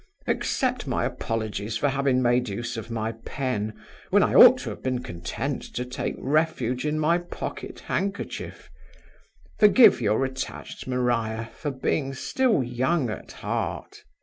Accept my apologies for having made use of my pen, when I ought to have been content to take refuge in my pocket handkerchief. Forgive your attached Maria for being still young at heart!